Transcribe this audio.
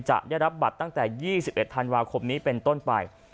จะได้รับบัตรตั้งแต่๒๑ธันวาคมนี้เป็นต้นไป